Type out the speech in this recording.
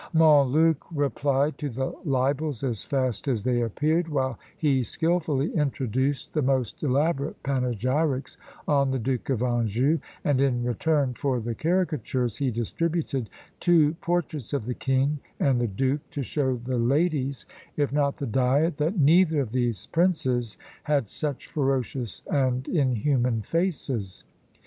Montluc replied to the libels as fast as they appeared, while he skilfully introduced the most elaborate panegyrics on the Duke of Anjou; and in return for the caricatures, he distributed two portraits of the king and the duke, to show the ladies, if not the diet, that neither of these princes had such ferocious and inhuman faces.